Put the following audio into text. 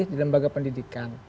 di lembaga pendidikan